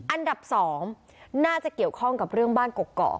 อันดับ๒น่าจะเกี่ยวข้องกับเรื่องบ้านกกอก